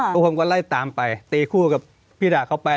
พวกผมก็ไล่ตามไปตีคู่กับพี่ด่าเขาไป